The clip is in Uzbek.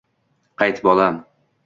«Qayt bolam!..»